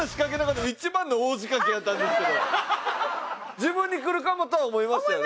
自分にくるかもとは思いましたよね？